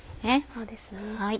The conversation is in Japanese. そうですね。